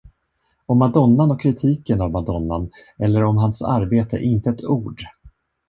Om madonnan och kritiken av madonnan eller om hans arbete inte ett ord.